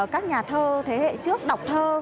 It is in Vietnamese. các nhà thơ thế hệ trước đọc thơ